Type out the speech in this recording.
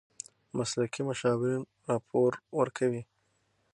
مسلکي مشاورین راپور ورکوي.